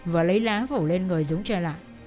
và lấy lá vổ lên người dũng trở lại